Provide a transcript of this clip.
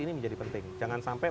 ini menjadi penting jangan sampai